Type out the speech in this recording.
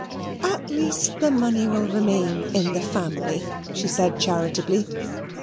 "At least the money will remain in the family," she said charitably.